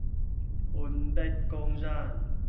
半壁江山